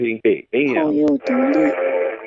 后又独立。